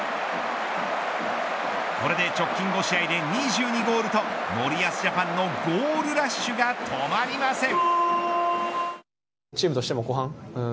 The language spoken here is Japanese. これで直近５試合で２２ゴールと森保ジャパンのゴールラッシュが止まりません。